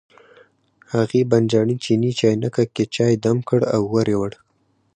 هغې بانجاني چیني چاینکه کې چای دم کړ او ور یې وړ.